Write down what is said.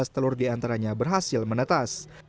sebelas telur diantaranya berhasil menetas